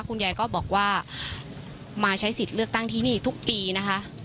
คุณยายก็บอกว่ามาใช้สิทธิ์เลือกตั้งที่นี่ทุกปีนะคะ